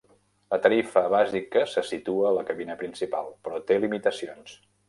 La tarifa bàsica se situa a la cabina principal, però té limitacions.